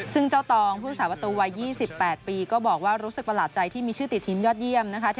ซึ่งเจ้าตองผู้สาประตูวัย๒๘ปีก็บอกว่ารู้สึกประหลาดใจที่มีชื่อติดทีมยอดเยี่ยมนะคะ